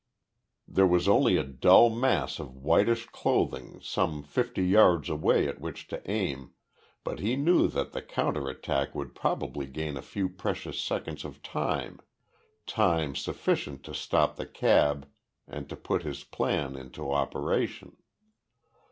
There was only a dull mass of whitish clothing some fifty yards away at which to aim, but he knew that the counter attack would probably gain a few precious seconds of time time sufficient to stop the cab and to put his plan into operation.